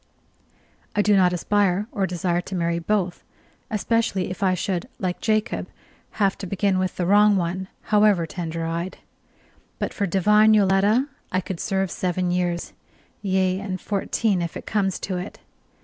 I do not aspire or desire to marry both, especially if I should, like Jacob, have to begin with the wrong one, however tender eyed: but for divine Yoletta I could serve seven years; yea, and fourteen, if it comes to it.